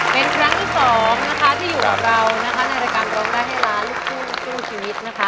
เป็นครั้งที่สองที่อยู่กับเราในรายการร้องร่าให้ร้านลูกคู่ช่วงชีวิต